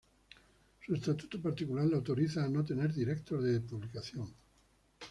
Su estatuto particular la autoriza a no tener director de publicación.